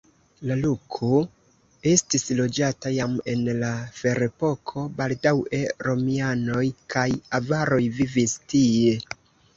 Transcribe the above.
La loko estis loĝata jam en la ferepoko, baldaŭe romianoj kaj avaroj vivis tie.